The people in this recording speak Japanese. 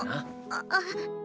あっ。